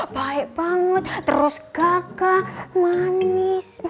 baik banget terus gagah manis